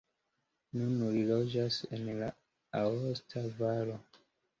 Nun li loĝas en la aosta valo.